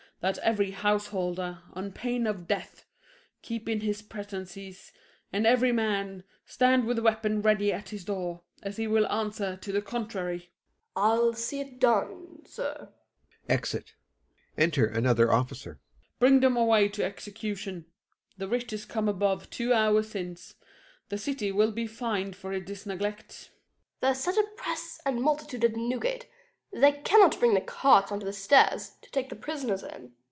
That every householder, on pain of death, Keep in his prentices, and every man Stand with a weapon ready at his door, As he will answer to the contrary. OFFICER. I'll see it done, sir. [Exit.] [Enter another Officer.] SHERIFF. Bring them away to execution: The writ is come above two hours since: The city will be fined for this neglect. OFFICER. There's such a press and multitude at Newgate, They cannot bring the carts onto the stairs, To take the prisoners in.